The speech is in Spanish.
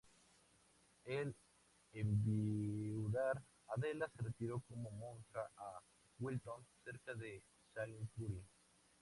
Al enviudar, Adela se retiró como monja a Wilton, cerca de Salisbury.